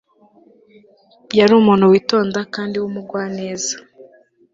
yari umuntu witonda kandi w'umugwaneza